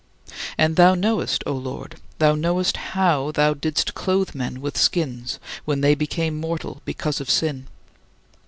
And thou knowest, O Lord, thou knowest how thou didst clothe men with skins when they became mortal because of sin.